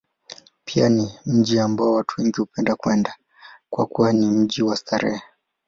Pia ni mji ambao watu wengi hupenda kwenda, kwa kuwa ni mji wa starehe.